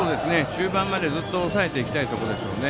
中盤までずっと抑えていきたいところでしょうね。